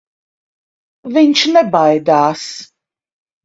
Viņš nebaidās.